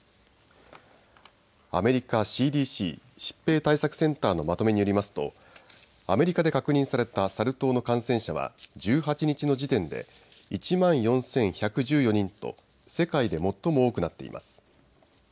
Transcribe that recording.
アメリカＣＤＣ・疾病対策センターのまとめによりますとアメリカで確認されたサル痘の感染者は１８日の時点で１万４１１４人と世界で最も多くなっています。